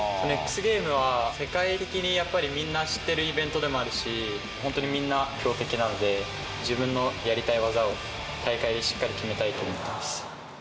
ＸＧａｍｅｓは世界的にやっぱり、みんな知ってるイベントでもあるし、本当にみんな強敵なので、自分のやりたい技を、大会でしっかり決めたいと思ってます。